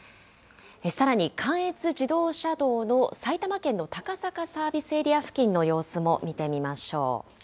さらに、関越自動車道の埼玉県の高坂サービスエリア付近の様子も見てみましょう。